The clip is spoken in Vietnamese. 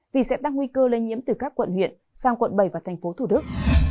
vì sẽ tăng nguy cơ lây nhiễm từ các quận huyện sang quận bảy và tp thủ đức